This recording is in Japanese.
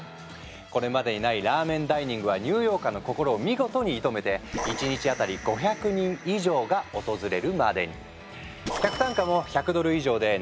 これまでにないラーメンダイニングはニューヨーカーの心を見事に射止めてが訪れるまでに。